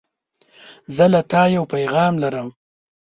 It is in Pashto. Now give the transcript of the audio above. زه له تا یو پیغام لرم.